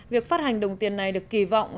việc phát hành đồng tiền này được kỳ vọng